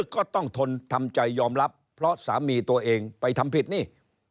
ก็ต้องทนทำใจยอมรับเพราะสามีตัวเองไปทำผิดนี่